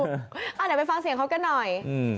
เดี๋ยวไปฟังเสียงเขากันหน่อย